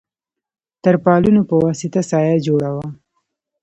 تر پالونو په واسطه سایه جوړه وه.